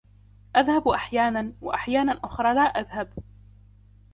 أذهب أحياناً ، وأحياناً أُخْرى لا أذهب.